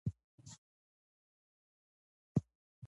که ته له خپل دریځه واوښتې د خلکو پر وړاندې